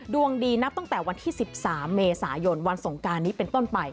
ดวงดีนับตั้งแต่วันที่๑๓เมษายนวันสงการนี้เป็นต้นไป